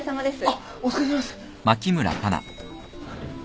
あっお疲れさまです。